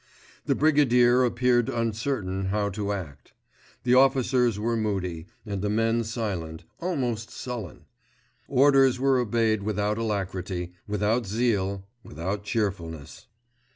The Brigadier appeared uncertain how to act. The officers were moody, and the men silent, almost sullen. Orders were obeyed without alacrity, without zeal, without cheerfulness.